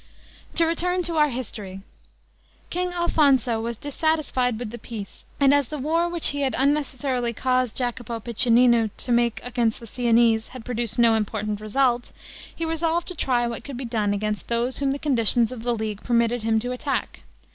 To return to our history. King Alfonso was dissatisfied with the peace, and as the war which he had unnecessarily caused Jacopo Piccinino to make against the Siennese, had produced no important result, he resolved to try what could be done against those whom the conditions of the League permitted him to attack.